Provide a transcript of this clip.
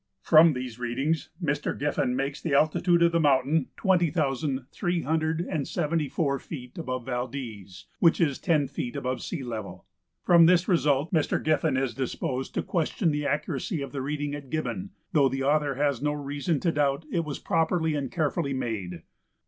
From these readings Mr. Giffin makes the altitude of the mountain twenty thousand three hundred and seventy four feet above Valdez, which is ten feet above the sea level. From this result Mr. Giffin is disposed to question the accuracy of the reading at Gibbon, though the author has no reason to doubt it was properly and carefully made.